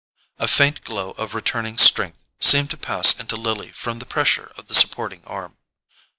A faint glow of returning strength seemed to pass into Lily from the pressure of the supporting arm.